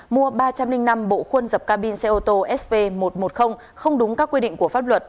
mua ba trăm linh năm bộ khuôn dập ca bin xe ô tô sv một trăm một mươi không đúng các quy định của pháp luật